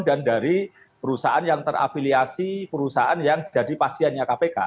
dan dari perusahaan yang terafiliasi perusahaan yang jadi pasiennya kpk